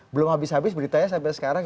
belum habis habis beritanya sampai sekarang